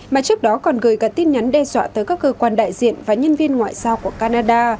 mà trước đó còn gửi cả tin nhắn đe dọa tới các cơ quan đại diện và nhân viên ngoại giao của canada